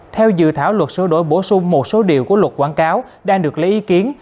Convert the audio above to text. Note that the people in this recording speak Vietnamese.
theo dự thảo luật sửa đổi bổ sung một số điều của luật quảng cáo đang được lấy ý kiến